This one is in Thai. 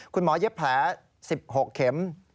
คุณหมอยเย็บแผล๑๖เข็ม